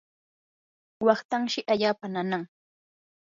waqtanshi allaapa nanan.